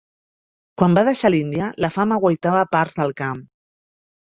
Quan va deixar l'Índia, la fam aguaitava parts del camp.